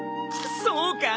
そうか？